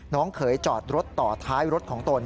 เขยจอดรถต่อท้ายรถของตน